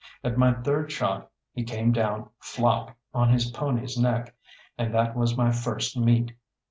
At my third shot he came down flop on his pony's neck, and that was my first meat.